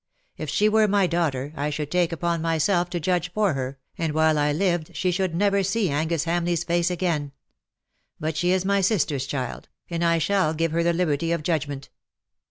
If she were my daughter I should take upon myself to judge for her, and while I lived she should never see Angus Hamleigh's face again. But she is my sister's child, and I shall give her the liberty of judgment."